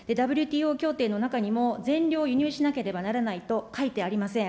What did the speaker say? ＷＴＯ協定の中にも、全量輸入しなければならないと書いてありません。